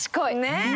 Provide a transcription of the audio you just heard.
ねえ？